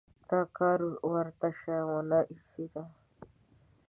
دا کار ورته شه ونه ایسېده.